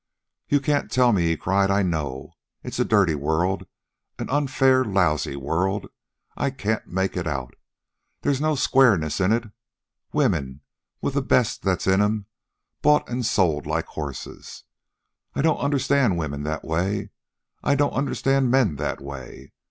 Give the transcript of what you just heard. "You can't tell me," he cried. "I know. It's a dirty world an unfair, lousy world. I can't make it out. They's no squareness in it. Women, with the best that's in 'em, bought an' sold like horses. I don't understand women that way. I don't understand men that way.